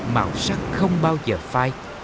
màu sắc không bao giờ phai